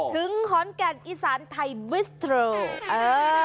ถึงขอนแกร่อิทราณไทยอื่อ